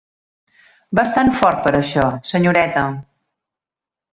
Bastant fort per això, senyoreta!